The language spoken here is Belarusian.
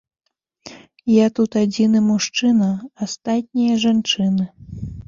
Я тут адзіны мужчына, астатнія жанчыны.